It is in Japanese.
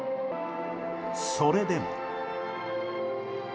それでも。